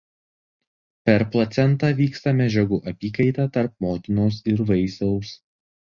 Per placentą vyksta medžiagų apykaita tarp motinos ir vaisiaus.